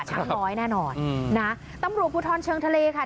ช้างน้อยแน่นอนนะตำรวจภูทรเชิงทะเลค่ะ